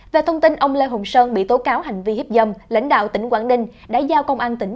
về thông tin ông lê hùng sơn bị tố cáo hành vi hiếp dâm lãnh đạo tỉnh quảng ninh đã giao công an tỉnh